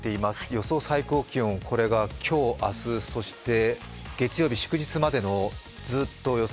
予想最高気温、これが今日、明日、そして月曜日祝日までのずっと予想